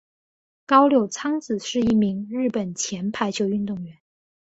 高柳昌子是一名日本前排球运动员。